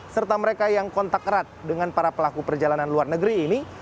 serta mereka yang kontak erat dengan para pelaku perjalanan luar negeri ini